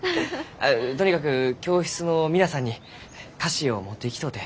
とにかく教室の皆さんに菓子を持っていきとうて。